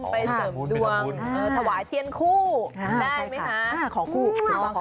เสริมดวงถวายเทียนคู่ได้ใช่ไหมคะ